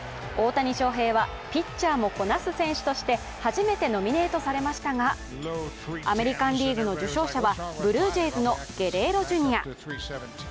大谷翔平は、ピッチャーもこなす選手として初めてノミネートされましたが、アメリカンリーグの受賞者はブルージェイズのゲレーロ・ジュニア。